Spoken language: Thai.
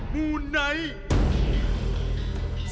มูไนท์